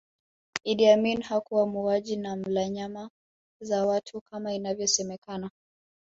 Idi Amin hakuwa muuaji na mla nyama za watu kama inavyosemekana